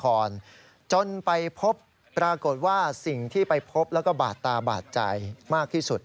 จนไปพบปรากฏว่าสิ่งที่ไปพบแล้วก็บาดตาบาดใจมากที่สุด